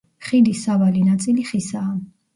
ხიდის სავალი ნაწილი ხისაა.